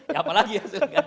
ya apalagi ya